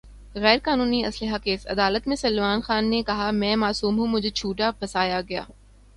غیر قانونی اسلحہ کیس : عدالت میں سلمان خان نے کہا : میں معصوم ہوں ، مجھے جھوٹا پھنسایا گیا